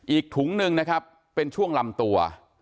อีกถุงหนึ่งนะครับเป็นช่วงลำตัว